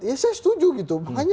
ya saya setuju gitu